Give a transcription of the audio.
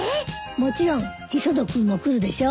もちろん磯野君も来るでしょ？